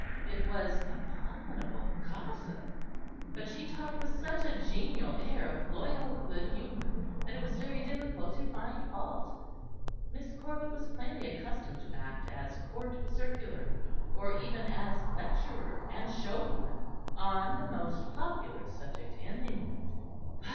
It was abominable gossip; but she talked with such a genial air of loyal good humour, that it was very difficult to find fault. Miss Corbet was plainly accustomed to act as Court Circular, or even as lecturer and show woman on the most popular subject in England.